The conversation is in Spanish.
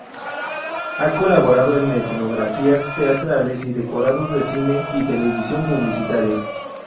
Ha colaborado en escenografías teatrales y decorados de cine y televisión publicitaria.